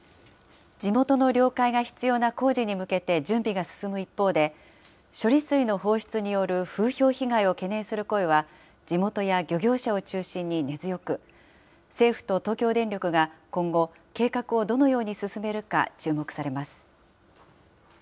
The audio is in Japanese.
地元の了解が必要な工事に向けて準備が進む一方で、処理水の放出による風評被害を懸念する声は、地元や漁業者を中心に根強く、政府と東京電力が今後、計画をどのように進めるか注目されます。